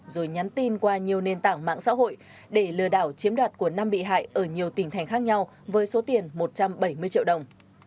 rồi nhắn tin qua nhiều nền tảng mạng xã hội để lừa đảo chiếm đoạt của năm bị hại ở nhiều tỉnh thành khác nhau với số tiền một trăm bảy mươi triệu đồng